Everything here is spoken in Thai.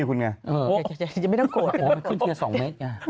ขึ้นมาครึ่งที่คุณไง